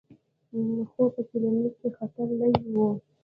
خو په کلینیک کې خطر لږ و.